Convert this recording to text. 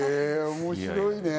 面白いね。